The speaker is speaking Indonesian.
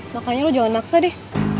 makanya lo jangan maksa deh